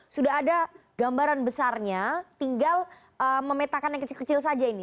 sudah ada gambaran besarnya tinggal memetakan yang kecil kecil saja ini